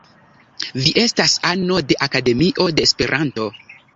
Vi estas ano de Akademio de Esperanto.